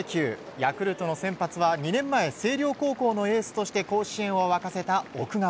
ヤクルトの先発は２年前、星稜高校のエースとして甲子園を沸かせた先発、奥川。